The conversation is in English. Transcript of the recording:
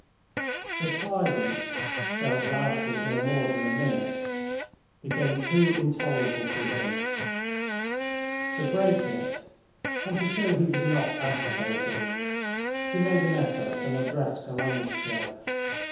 The silence (though it lasted no more than a minute) became too intolerable to him. To break it, and to show he was not agitated, he made an effort and addressed Golenishtchev.